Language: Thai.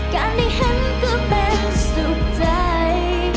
การได้เห็นก็เป็นสุขใจ